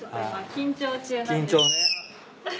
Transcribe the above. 緊張ね。